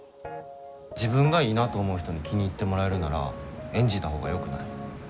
自分がいいなと思う人に気に入ってもらえるなら演じたほうがよくない？